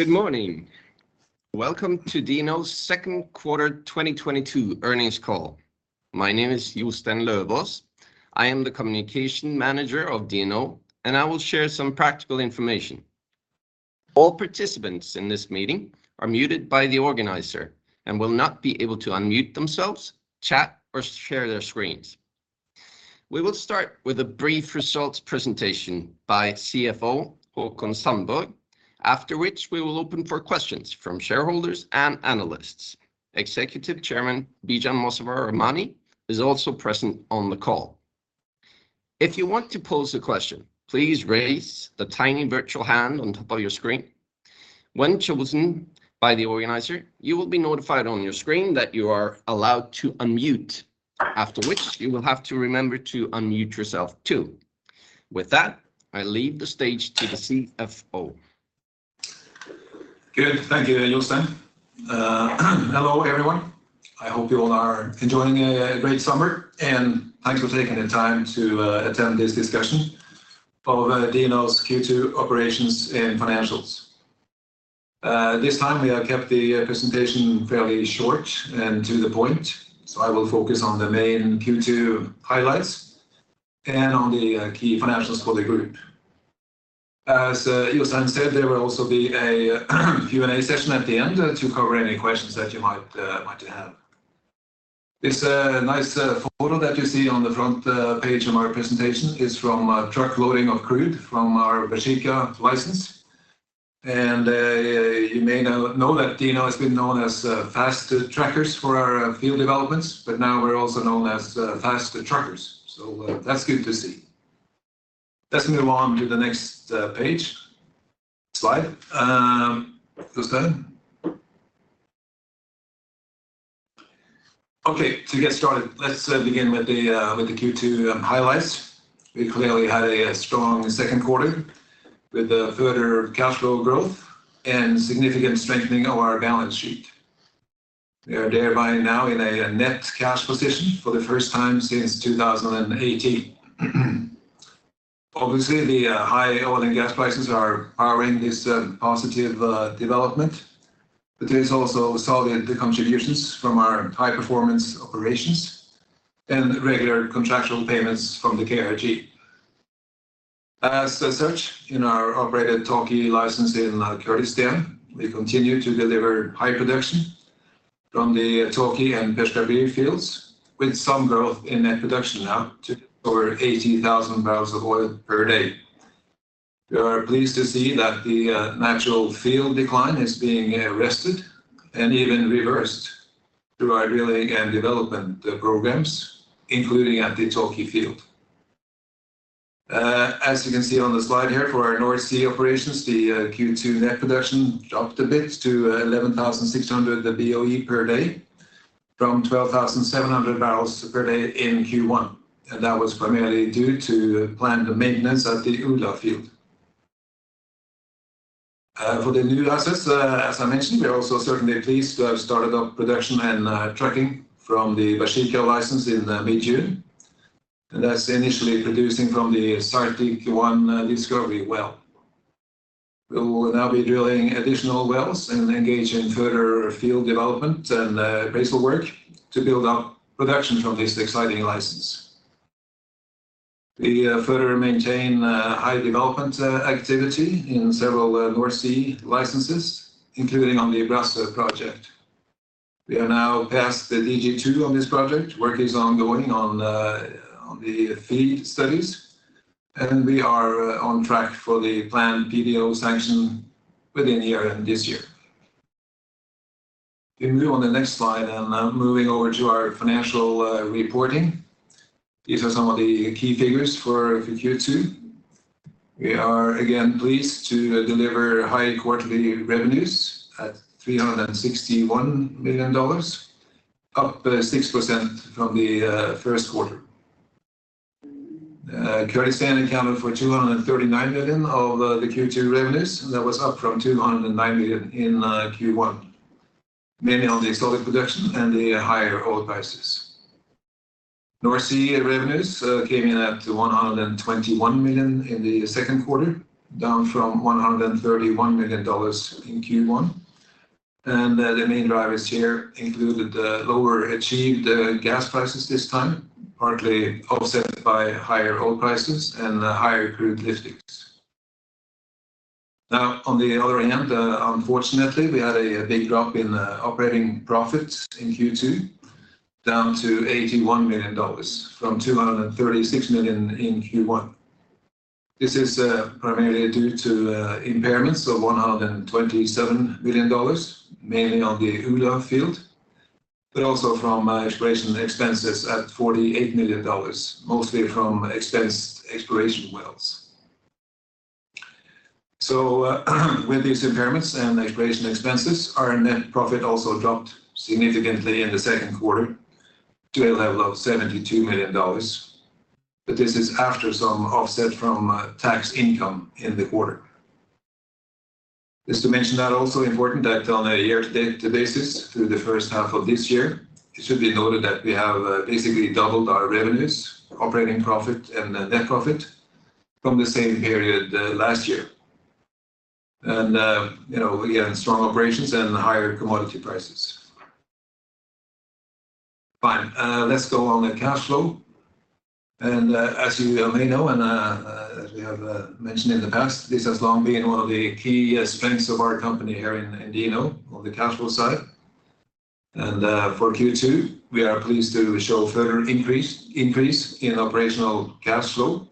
Good morning. Welcome to DNO's second quarter 2022 earnings call. My name is Jostein Løvås. I am the communication manager of DNO, and I will share some practical information. All participants in this meeting are muted by the organizer and will not be able to unmute themselves, chat, or share their screens. We will start with a brief results presentation by CFO Haakon Sandborg, after which we will open for questions from shareholders and analysts. Executive Chairman Bijan Mossavar-Rahmani is also present on the call. If you want to pose a question, please raise the tiny virtual hand on top of your screen. When chosen by the organizer, you will be notified on your screen that you are allowed to unmute, after which you will have to remember to unmute yourself too. With that, I leave the stage to the CFO. Good. Thank you, Jostein. Hello, everyone. I hope you all are enjoying a great summer, and thanks for taking the time to attend this discussion of DNO's Q2 operations and financials. This time we have kept the presentation fairly short and to the point, so I will focus on the main Q2 highlights and on the key financials for the group. As Jostein said, there will also be a Q&A session at the end to cover any questions that you might have. This nice photo that you see on the front page of our presentation is from a truck loading of crude from our Baeshiqa license. You may now know that DNO has been known as fast truckers for our field developments, but now we're also known as fast truckers. That's good to see. Let's move on to the next, page, slide, Jostein. Okay, to get started, let's begin with the Q2 highlights. We clearly had a strong second quarter with a further cash flow growth and significant strengthening of our balance sheet. We are thereby now in a net cash position for the first time since 2018. Obviously, the high oil and gas prices are powering this positive development, but there is also solid contributions from our high performance operations and regular contractual payments from the KRG. As such, in our operated Tawke license in Kurdistan, we continue to deliver high production from the Tawke and Peshkabir fields, with some growth in net production now to over 80,000 barrels of oil per day. We are pleased to see that the natural field decline is being arrested and even reversed through our drilling and development programs, including at the Tawke field. As you can see on the slide here for our North Sea operations, the Q2 net production dropped a bit to 11,600 Boe per day from 12,700 barrels per day in Q1. That was primarily due to planned maintenance at the Ula field. For the new license, as I mentioned, we are also certainly pleased to have started up production and trucking from the Baeshiqa license in mid-June. That's initially producing from the Zartik-one discovery well. We will now be drilling additional wells and engage in further field development and appraisal work to build up production from this exciting license. We further maintain high development activity in several North Sea licenses, including on the Åsgard project. We are now past the DG2 on this project. Work is ongoing on the FEED studies, and we are on track for the planned PDO sanction within year-end this year. We move on the next slide and now moving over to our financial reporting. These are some of the key figures for the Q2. We are again pleased to deliver high quarterly revenues at $361 million, up 6% from the first quarter. Kurdistan accounted for $239 million of the Q2 revenues. That was up from $209 million in Q1, mainly on the oil production and the higher oil prices. North Sea revenues came in at $121 million in the second quarter, down from $131 million in Q1. The main drivers here included lower achieved gas prices this time, partly offset by higher oil prices and higher crude liftings. Now, on the other hand, unfortunately, we had a big drop in operating profit in Q2, down to $81 million from $236 million in Q1. This is primarily due to impairments of $127 million, mainly on the Ula field, but also from exploration expenses at $48 million, mostly from exploration wells. With these impairments and exploration expenses, our net profit also dropped significantly in the second quarter to a level of $72 million. This is after some offset from tax income in the quarter. Just to mention that also important that on a year-to-date basis through the first half of this year, it should be noted that we have basically doubled our revenues, operating profit, and net profit from the same period last year. You know, again, strong operations and higher commodity prices. Fine. Let's go on the cash flow. As you may know and as we have mentioned in the past, this has long been one of the key strengths of our company here in DNO on the cash flow side. For Q2, we are pleased to show further increase in operational cash flow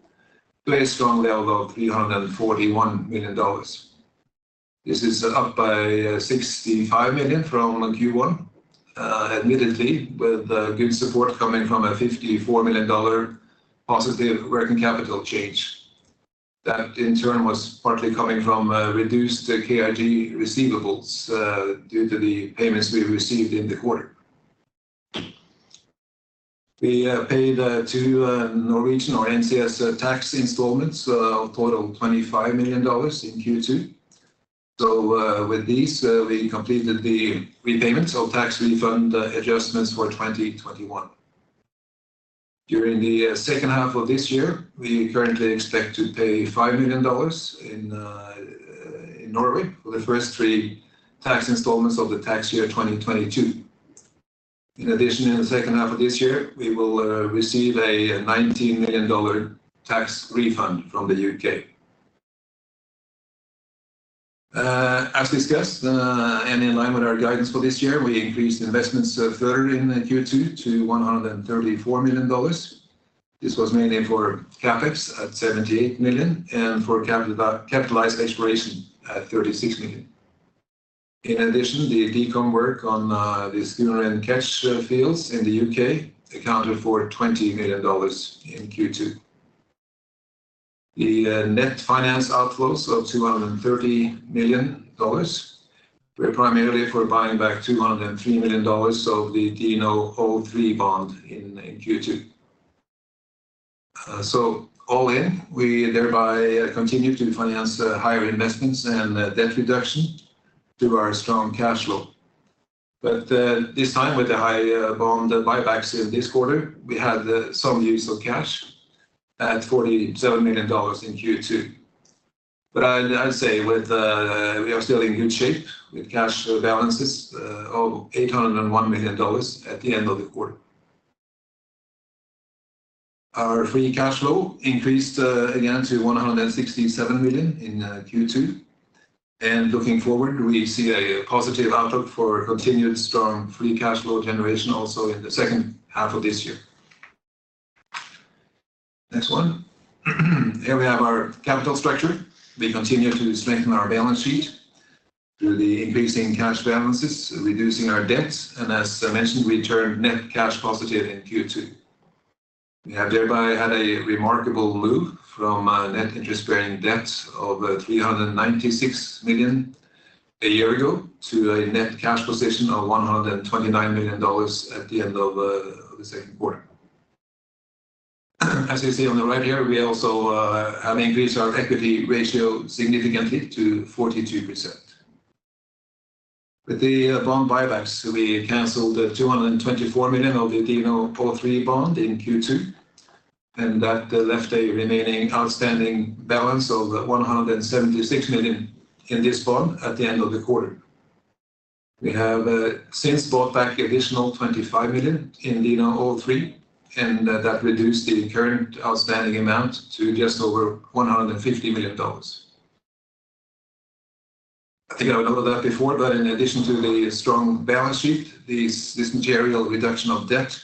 very strong at $341 million. This is up by $65 million from Q1, admittedly, with good support coming from a $54 million positive working capital change. That in turn was partly coming from reduced KRG receivables due to the payments we received in the quarter. We paid two Norwegian or NCS tax installments of total $25 million in Q2. With these, we completed the repayments of tax refund adjustments for 2021. During the second half of this year, we currently expect to pay $5 million in Norway for the first three tax installments of the tax year 2022. In addition, in the second half of this year, we will receive a $19 million tax refund from the U.K. As discussed, in line with our guidance for this year, we increased investments further in Q2 to $134 million. This was mainly for CapEx at $78 million and for capitalized exploration at $36 million. In addition, the decom work on the Schooner and Ketch fields in the U.K. accounted for $20 million in Q2. The net finance outflows of $230 million were primarily for buying back $203 million of the DNO03 bond in Q2. All in, we thereby continue to finance higher investments and debt reduction through our strong cash flow. This time with the high bond buybacks in this quarter, we had some use of cash at $47 million in Q2. I'd say we are still in good shape with cash balances of $801 million at the end of the quarter. Our free cash flow increased again to $167 million in Q2. Looking forward, we see a positive outlook for continued strong free cash flow generation also in the second half of this year. Next one. Here we have our capital structure. We continue to strengthen our balance sheet through the increasing cash balances, reducing our debts, and as I mentioned, we turned net cash positive in Q2. We have thereby had a remarkable move from a net interest-bearing debt of $396 million a year ago to a net cash position of $129 million at the end of the second quarter. As you see on the right here, we also have increased our equity ratio significantly to 42%. With the bond buybacks, we canceled $224 million of the DNO03 bond in Q2, and that left a remaining outstanding balance of $176 million in this bond at the end of the quarter. We have since bought back additional $25 million in DNO03, and that reduced the current outstanding amount to just over $150 million. I think I wrote all of that before, but in addition to the strong balance sheet, this material reduction of debt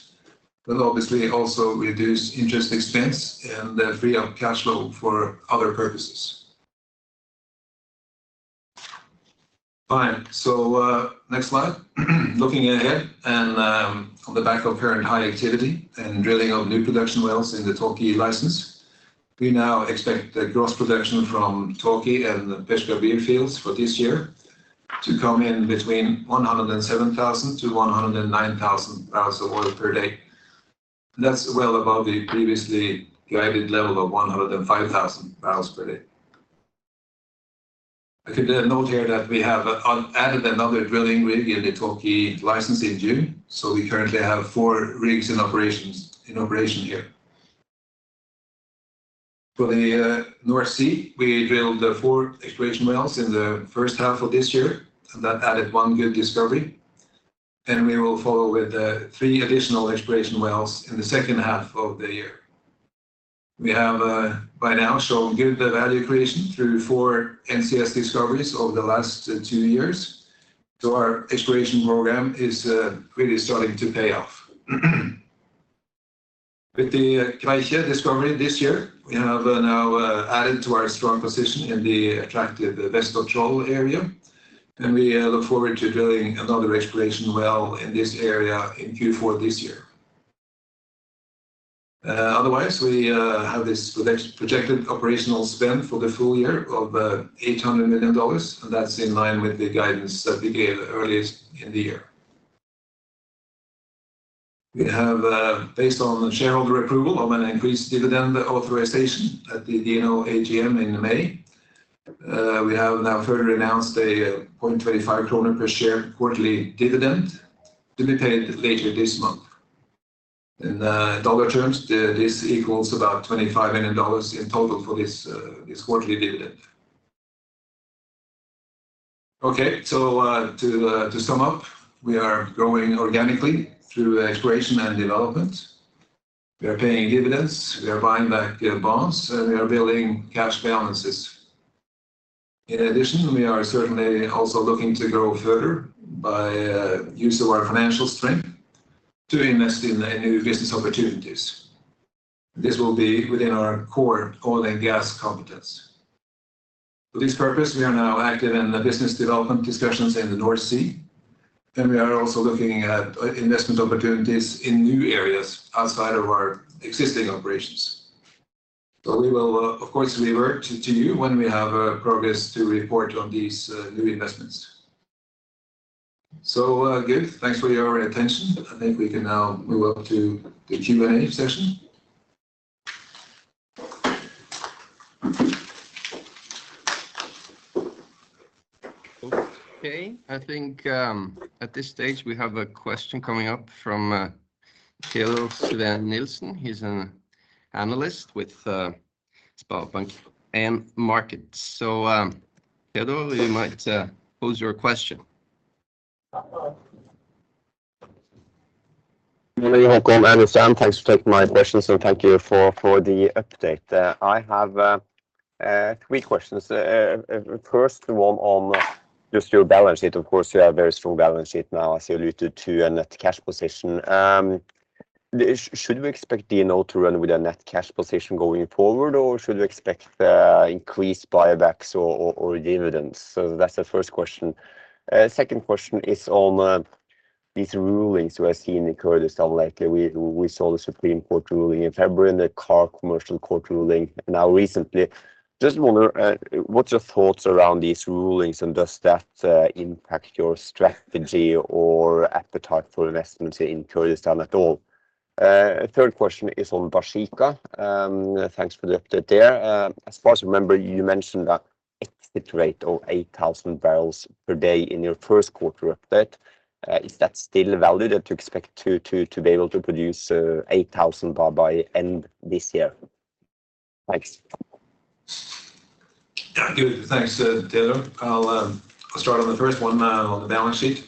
will obviously also reduce interest expense and free up cash flow for other purposes. Fine. Next slide. Looking ahead, on the back of current high activity and drilling of new production wells in the Tawke license, we now expect the gross production from Tawke and the Peshkabir fields for this year to come in between 107,000-109,000 barrels of oil per day. That's well above the previously guided level of 105,000 barrels per day. I could note here that we have added another drilling rig in the Tawke license in June, so we currently have four rigs in operation here. For the North Sea, we drilled four exploration wells in the first half of this year, and that added one good discovery. We will follow with three additional exploration wells in the second half of the year. We have by now shown good value creation through four NCS discoveries over the last two years, so our exploration program is really starting to pay off. With the Kveikje discovery this year, we have now added to our strong position in the attractive Vestfold-Troll area, and we look forward to drilling another exploration well in this area in Q4 this year. Otherwise, we have this projected operational spend for the full year of $800 million, and that's in line with the guidance that we gave earliest in the year. We have, based on the shareholder approval of an increased dividend authorization at the DNO AGM in May. We have now further announced a 0.25 kroner per share quarterly dividend to be paid later this month. In dollar terms, this equals about $25 million in total for this quarterly dividend. Okay. To sum up, we are growing organically through exploration and development. We are paying dividends, we are buying back the bonds, and we are building cash balances. In addition, we are certainly also looking to grow further by use of our financial strength to invest in new business opportunities. This will be within our core oil and gas competence. For this purpose, we are now active in the business development discussions in the North Sea, and we are also looking at investment opportunities in new areas outside of our existing operations. We will, of course, revert to you when we have progress to report on these new investments. Good. Thanks for your attention. I think we can now move on to the Q&A session. Okay. I think at this stage we have a question coming up from Teodor Sveen-Nilsen. He's an analyst with SpareBank 1 Markets. Ted, you might pose your question. Good morning, Håkon and Sam. Thanks for taking my questions, and thank you for the update. I have three questions. First one on just your balance sheet. Of course, you have very strong balance sheet now, as you alluded to, a net cash position. Should we expect DNO to run with a net cash position going forward, or should we expect increased buybacks or dividends? That's the first question. Second question is on these rulings we're seeing in Kurdistan lately. We saw the Supreme Court ruling in February and the KRG commercial court ruling now recently. Just wonder what's your thoughts around these rulings, and does that impact your strategy or appetite for investments in Kurdistan at all? Third question is on Baeshiqa. Thanks for the update there. As far as I remember, you mentioned a exit rate of 8,000 barrels per day in your first quarter update. Is that still valid that you expect to be able to produce 8,000 by end this year? Thanks. Yeah. Good. Thanks, Ted. I'll start on the first one on the balance sheet.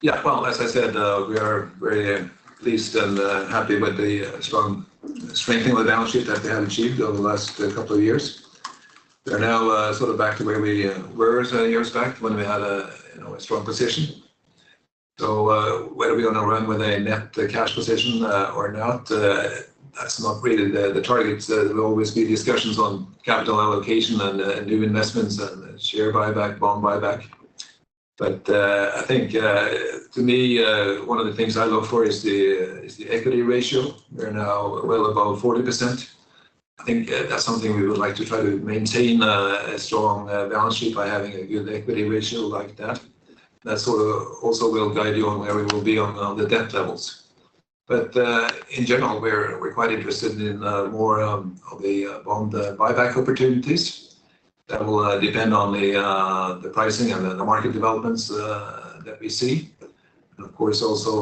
Yeah. Well, as I said, we are very pleased and happy with the strong strengthening of the balance sheet that we have achieved over the last couple of years. We're now sort of back to where we were years back when we had a, you know, a strong position. Whether we gonna run with a net cash position or not, that's not really the target. There will always be discussions on capital allocation and new investments and share buyback, bond buyback. I think to me one of the things I look for is the equity ratio. We're now well above 40%. I think that's something we would like to try to maintain, a strong, balance sheet by having a good equity ratio like that. That sort of also will guide you on where we will be on the debt levels. In general, we're quite interested in more of the bond buyback opportunities. That will depend on the pricing and the market developments that we see. Of course, also,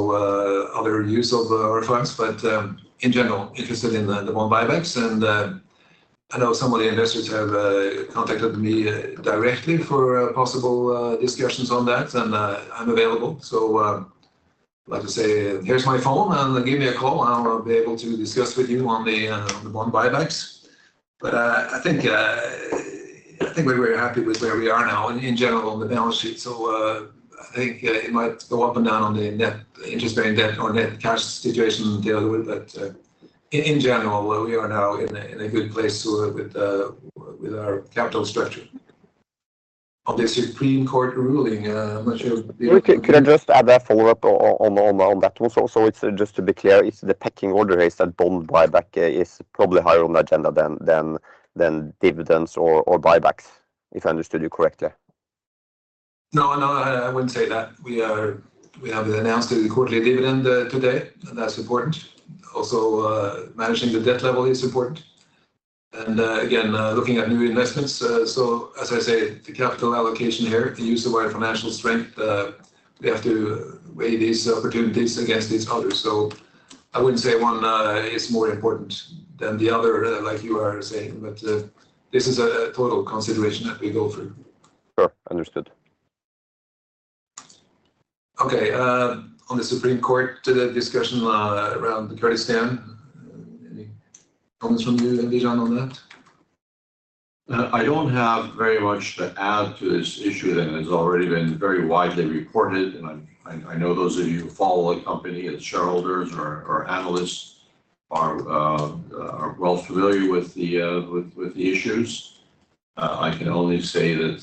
other use of our funds, but in general, interested in the bond buybacks. I know some of the investors have contacted me directly for possible discussions on that, and I'm available. like I say, "Here's my phone, and give me a call, and I'll be able to discuss with you on the, on the bond buybacks." I think we're very happy with where we are now in general in the balance sheet. I think it might go up and down on the net interest-bearing debt or net cash situation to deal with. In general, we are now in a good place with our capital structure. On the Supreme Court ruling, I'm not sure if you. Could I just add a follow-up on that also? It's just to be clear, it's the pecking order is that bond buyback is probably higher on the agenda than dividends or buybacks, if I understood you correctly. No, no, I wouldn't say that. We have announced the quarterly dividend today, and that's important. Also, managing the debt level is important. Again, looking at new investments. As I say, the capital allocation here, the use of our financial strength, we have to weigh these opportunities against these others. I wouldn't say one is more important than the other, like you are saying. This is a total consideration that we go through. Sure. Understood. Okay. On the Supreme Court discussion around Kurdistan, any comments from you, Bijan, on that? I don't have very much to add to this issue that has already been very widely reported. I know those of you who follow the company as shareholders or analysts are well familiar with the issues. I can only say that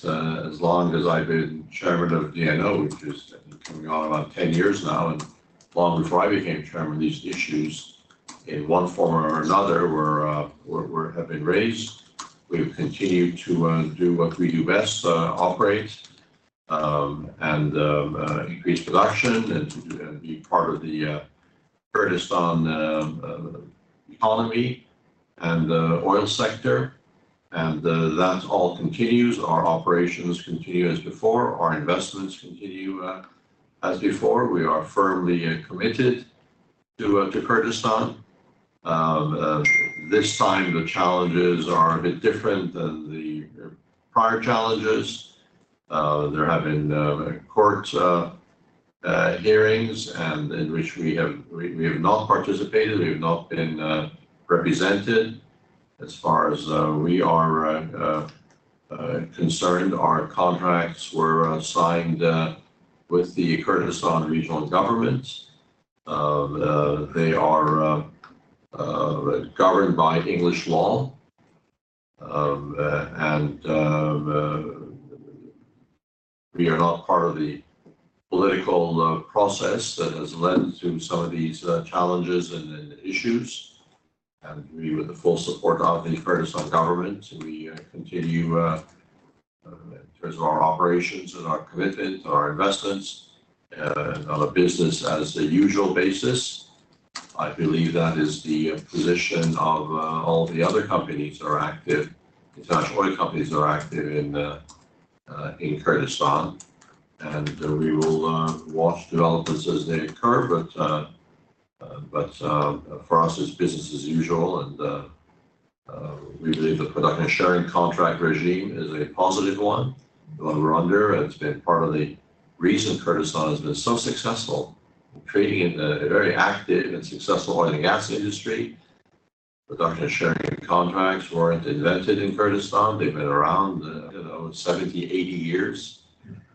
as long as I've been chairman of DNO, which is coming on about ten years now, and long before I became chairman, these issues in one form or another have been raised. We've continued to do what we do best, operate, and increased production and be part of the Kurdistan economy and oil sector, and that all continues. Our operations continue as before. Our investments continue as before. We are firmly committed to Kurdistan. This time the challenges are a bit different than the prior challenges. There have been court hearings in which we have not participated. We have not been represented as far as we are concerned. Our contracts were signed with the Kurdistan Regional Government. They are governed by English law. We are not part of the political process that has led to some of these challenges and issues. With the full support of the Kurdistan Regional Government, we continue in terms of our operations and our commitment to our investments on a business as usual basis. I believe that is the position of all the other companies that are active, international oil companies that are active in Kurdistan. We will watch developments as they occur. But for us, it's business as usual. We believe the production sharing contract regime is a positive one that we're under, and it's been part of the reason Kurdistan has been so successful in creating a very active and successful oil and gas industry. Production sharing contracts weren't invented in Kurdistan. They've been around, you know, 70-80 years.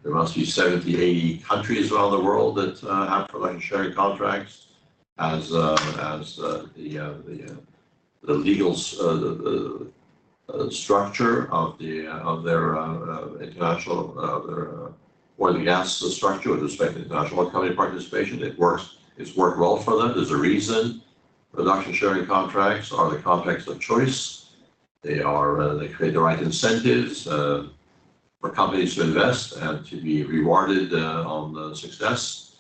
There must be 70-80 countries around the world that have production sharing contracts as the legal structure of their international oil and gas structure with respect to international company participation. It works. It's worked well for them. There's a reason production sharing contracts are the contracts of choice. They create the right incentives for companies to invest and to be rewarded on the success.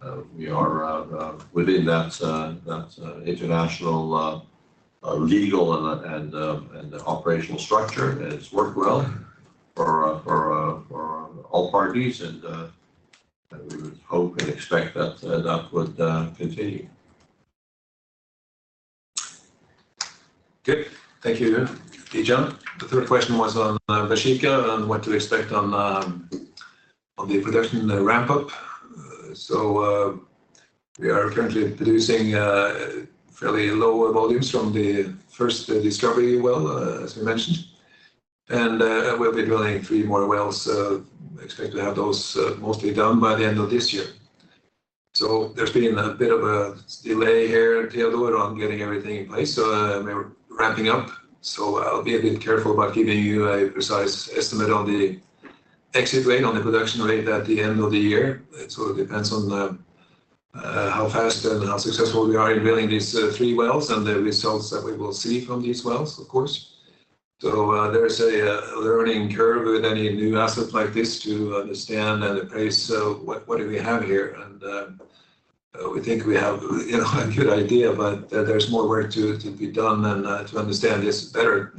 We believe we are within that international legal and operational structure, and it's worked well for all parties. We would hope and expect that would continue. Good. Thank you, Bijan Mossavar-Rahmani. The third question was on Baeshiqa and what to expect on the production ramp-up. We are currently producing fairly low volumes from the first discovery well, as we mentioned. We'll be drilling three more wells, so expect to have those mostly done by the end of this year. There's been a bit of a delay here at the other end on getting everything in place, so we're ramping up. I'll be a bit careful about giving you a precise estimate on the exit rate, on the production rate at the end of the year. It sort of depends on how fast and how successful we are in drilling these three wells and the results that we will see from these wells, of course. There is a learning curve with any new asset like this to understand and appraise, so what do we have here? We think we have, you know, a good idea, but there's more work to be done and to understand this better.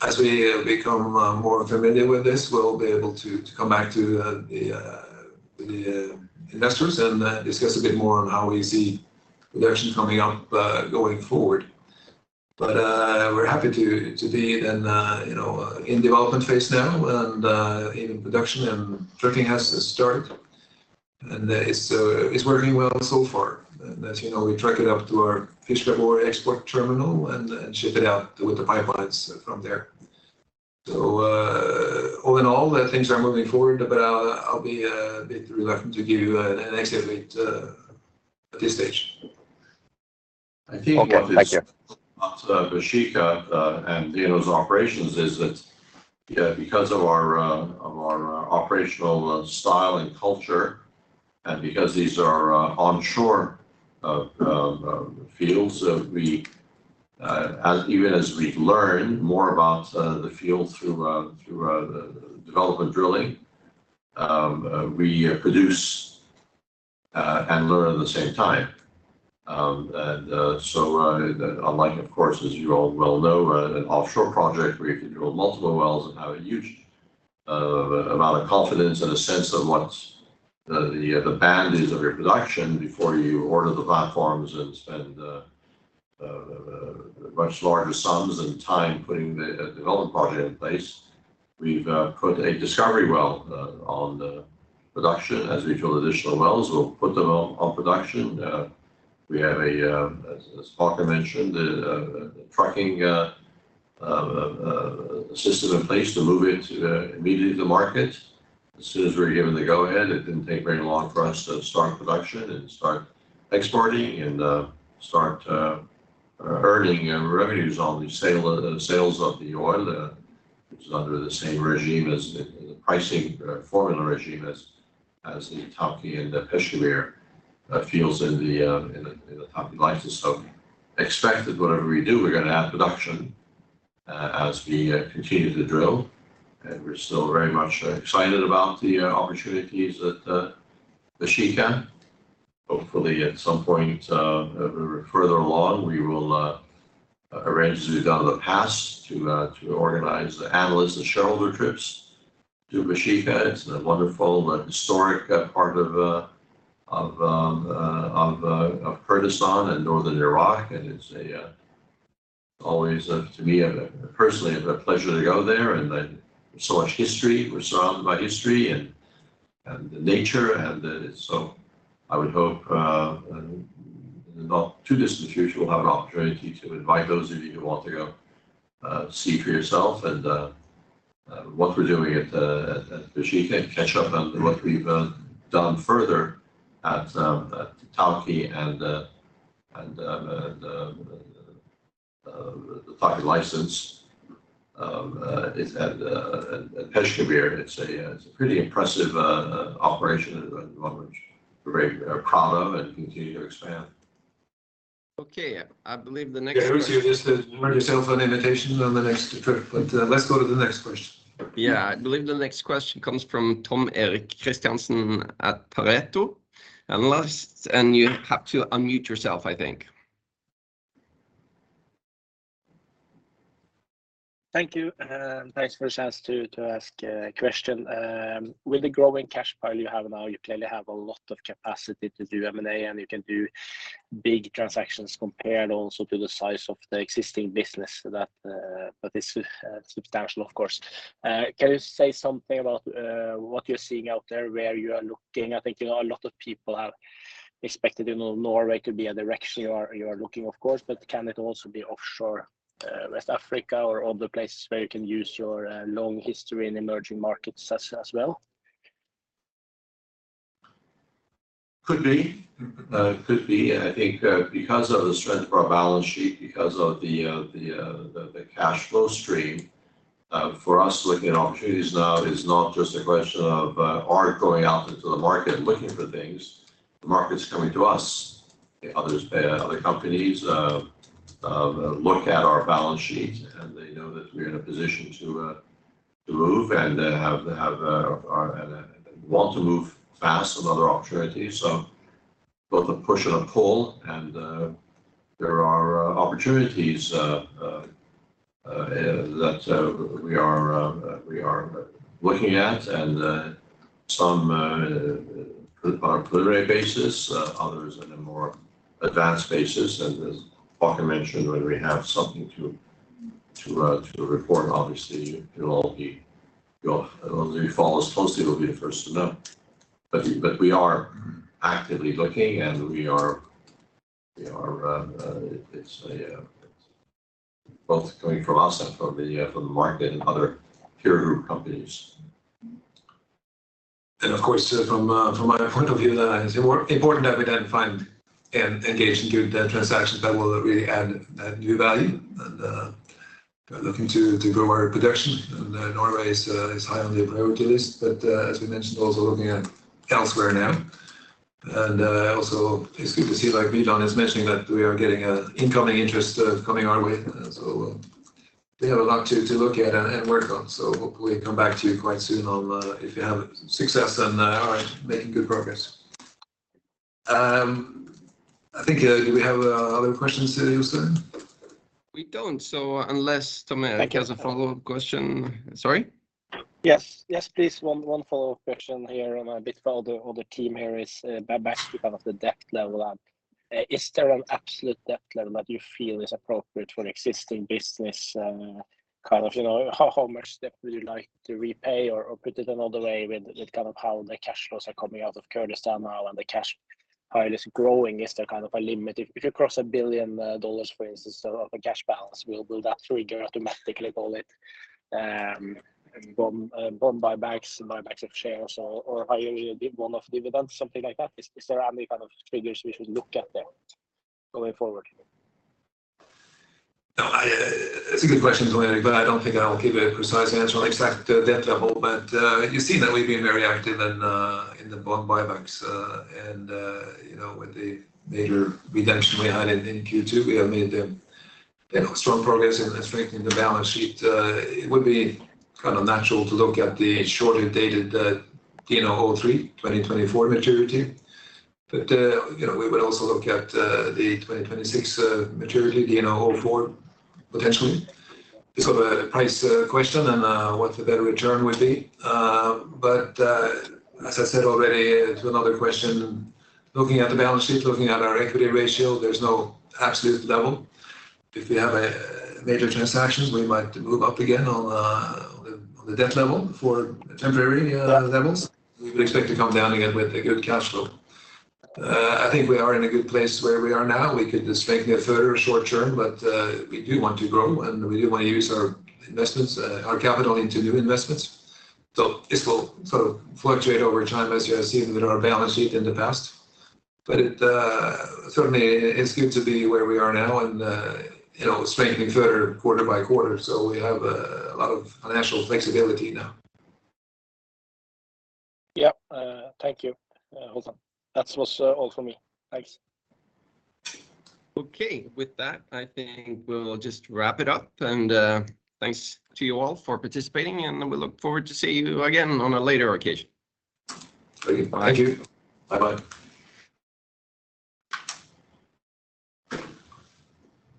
As we become more familiar with this, we'll be able to come back to the investors and discuss a bit more on how we see production coming up going forward. We're happy to be in, you know, in development phase now and in production and trucking has started, and it's working well so far. As you know, we truck it up to our Fish Khabur export terminal and ship it out with the pipelines from there. All in all, things are moving forward, but I'll be a bit reluctant to give you an exit date at this stage. Okay, thank you, Baeshiqa, and you know, those operations, is that because of our operational style and culture, and because these are onshore fields, we even as we learn more about the field through the development drilling, we produce and learn at the same time. Unlike, of course, as you all well know, an offshore project where you can drill multiple wells and have a huge amount of confidence and a sense of what's the band is of your production before you order the platforms and spend much larger sums and time putting the development project in place. We've put a discovery well on the production. As we drill additional wells, we'll put them on production. We have a, as Haakon Sandborg mentioned, a trucking system in place to move it immediately to market. As soon as we were given the go-ahead, it didn't take very long for us to start production and start exporting and start earning revenues on the sales of the oil. It's under the same regime as the pricing formula regime as the Tawke and the Peshkabir fields in the Tawke license. Expect that whatever we do, we're gonna add production as we continue to drill. We're still very much excited about the opportunities at the Baeshiqa. Hopefully, at some point further along, we will arrange to go down the pass to organize the analysts and shareholder trips to Baeshiqa. It's a wonderful, historic part of Kurdistan and Northern Iraq, and it's always, to me, personally, a pleasure to go there. There's so much history. We're surrounded by history and the nature. I would hope in the not too distant future, we'll have an opportunity to invite those of you who want to go see for yourself and what we're doing at Baeshiqa and catch up on what we've done further at Tawke and the Tawke license at Peshkabir. It's a pretty impressive operation and one which we're very proud of and continue to expand. Okay. I believe the next question. Yeah, Jostein Løvås, just earn yourself an invitation on the next trip. Let's go to the next question. Yeah. I believe the next question comes from Tom Erik Kristiansen at Pareto. You have to unmute yourself, I think. Thank you, and thanks for the chance to ask a question. With the growing cash pile you have now, you clearly have a lot of capacity to do M&A, and you can do big transactions compared also to the size of the existing business that is substantial of course. Can you say something about what you're seeing out there, where you are looking? I think, you know, a lot of people have expected, you know, Norway to be a direction you are looking of course, but can it also be offshore West Africa or other places where you can use your long history in emerging markets as well? Could be. I think, because of the strength of our balance sheet, because of the cash flow stream, for us looking at opportunities now is not just a question of our going out into the market looking for things. The market's coming to us. Other companies look at our balance sheet, and they know that we're in a position to move and have and want to move fast on other opportunities. Both a push and a pull, and there are opportunities that we are looking at and some on a preliminary basis, others on a more advanced basis. As Haakon Sandborg mentioned, when we have something to report, those of you who follow us closely will be the first to know. We are actively looking both coming from us and from the market and other peer group companies. Of course, from my point of view, that it's important that we then find engaging good transactions that will really add new value and looking to grow our production. Norway is high on the priority list, but as we mentioned, also looking at elsewhere now. Also it's good to see, like Vidar is mentioning, that we are getting incoming interest coming our way. We have a lot to look at and work on. Hopefully come back to you quite soon on if we have success and are making good progress. I think do we have other questions, Jostein Løvås? We don't. Unless Tom Erik has a follow-up question. Thank you. Sorry? Yes. Yes, please. One follow-up question here, a bit for all the team here, is back to kind of the debt level. Is there an absolute debt level that you feel is appropriate for existing business? Kind of, you know, how much debt would you like to repay? Put it another way with kind of how the cash flows are coming out of Kurdistan now and the cash pile is growing, is there kind of a limit? If you cross $1 billion, for instance, of a cash balance, will that trigger automatically, call it, bond buybacks of shares or a one-off dividend, something like that? Is there any kind of triggers we should look at there going forward? No, it's a good question, Tom Erik, but I don't think I'll give a precise answer on exact debt level. You've seen that we've been very active in the bond buybacks. You know, with the major redemption we had in Q2, we have made, you know, strong progress in strengthening the balance sheet. It would be kind of natural to look at the shorter-dated DNO03 2024 maturity. You know, we would also look at the 2026 maturity, DNO04, potentially. It's sort of a price question and what the better return would be. As I said already to another question, looking at the balance sheet, looking at our equity ratio, there's no absolute level. If we have a major transaction, we might move up again on the debt level for temporary levels. We would expect to come down again with a good cash flow. I think we are in a good place where we are now. We could strengthen it further short term, but we do want to grow, and we do want to use our investments, our capital into new investments. This will sort of fluctuate over time, as you have seen with our balance sheet in the past. It certainly it's good to be where we are now and, you know, strengthening further quarter by quarter. We have a lot of financial flexibility now. Yeah. Thank you. Well done. That was all from me. Thanks. Okay. With that, I think we'll just wrap it up. Thanks to you all for participating, and we look forward to see you again on a later occasion. Thank you. Bye. Thank you. Bye-bye.